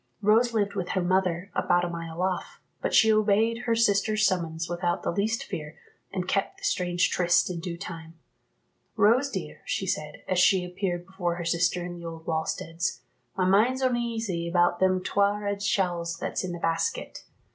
Rose lived with her mother, about a mile off, but she obeyed her sister's summons without the least fear, and kept the strange tryste in due time. "Rose, dear," she said, as she appeared before her sister in the old wallsteads, "my mind's oneasy about them twa' red shawls that's in the basket.